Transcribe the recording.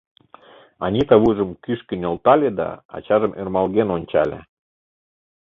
Анита вуйжым кӱшкӧ нӧлтале да ачажым ӧрмалген ончале.